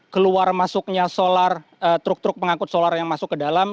keluar masuknya solar truk truk pengangkut solar yang masuk ke dalam